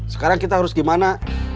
sekarang kita harus gimana